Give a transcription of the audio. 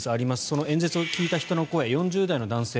その演説を聞いた人の声４０代の男性。